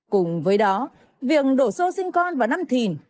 cùng với đó việc đổ xô sinh con vào năm thìn